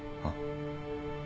あっ？